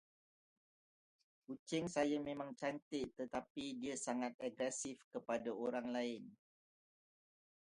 Kucing saya memang cantik tertapi dia sangat agresif kepada orang lain.